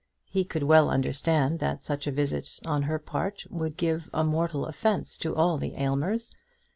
He could well understand that such a visit on her part would give a mortal offence to all the Aylmers.